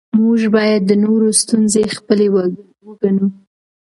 موږ باید د نورو ستونزې خپلې وګڼو